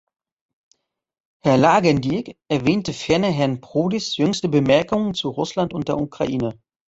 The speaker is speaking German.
Herr Lagendijk erwähnte ferner Herrn Prodis jüngste Bemerkungen zu Russland und der Ukraine.